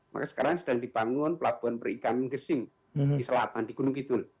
maka sekarang sedang dibangun pelabuhan perikanan gesing di selatan di gunung kidul